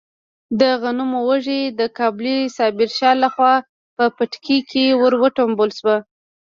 د غنمو وږی د کابلي صابر شاه لخوا په پټکي کې ور وټومبل شو.